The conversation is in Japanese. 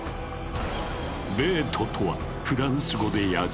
「ベート」とはフランス語で「野獣」。